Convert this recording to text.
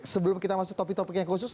sebelum kita masuk topik topik yang khusus